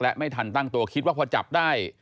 และไม่ทันตั้งตัวคิดว่าพอจับได้